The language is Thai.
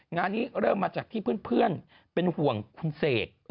งานนี้เริ่มมาจากที่เพื่อนเป็นห่วงคุณเสก